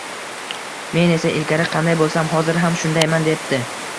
Men esa, ilgari qanday bo‘lsam, hozir ham shundayman, debdi